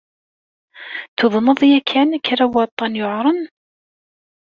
Tuḍneḍ yakan kra n waṭṭan yuɛren?